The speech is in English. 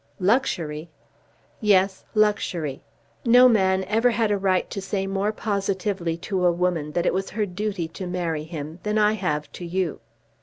"Luxury!" "Yes; luxury. No man ever had a right to say more positively to a woman that it was her duty to marry him, than I have to you.